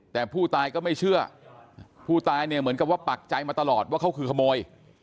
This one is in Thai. แต่ผู้ตายก็ไม่เชื่อผู้ตายเนี่ยเหมือนกับว่าปักใจมาตลอดว่าเขาคือขโมย